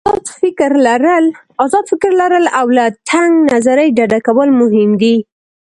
آزاد فکر لرل او له تنګ نظري ډډه کول مهم دي.